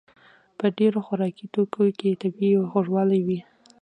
په ډېر خوراکي توکو کې طبیعي خوږوالی وي.